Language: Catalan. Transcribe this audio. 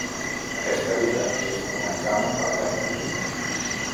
Aquesta vida és un examen per cada individu.